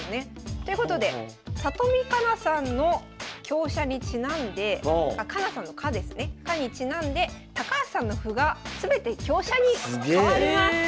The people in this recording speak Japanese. ということで里見香奈さんの香車にちなんで香奈さんの「香」ですね「香」にちなんで高橋さんの歩が全て香車に替わります！え！